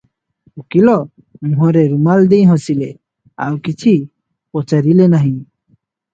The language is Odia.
ଉକୀଲ ମୁହଁରେ ରୁମାଲ ଦେଇ ହସିଲେ, ଆଉ କିଛି ପଚାରିଲେ ନାହିଁ ।